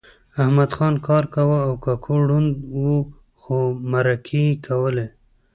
احمدخان کار کاوه او ککو ړوند و خو مرکې یې کولې